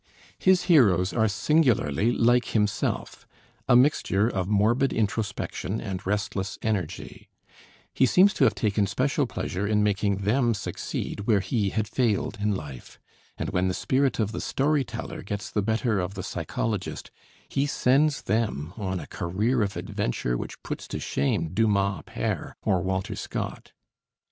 His heroes are singularly like himself, a mixture of morbid introspection and restless energy: he seems to have taken special pleasure in making them succeed where he had failed in life, and when the spirit of the story teller gets the better of the psychologist, he sends them on a career of adventure which puts to shame Dumas père or Walter Scott.